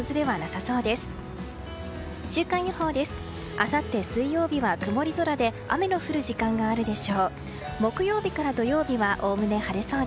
あさって水曜日は曇り空で雨の降る時間があるでしょう。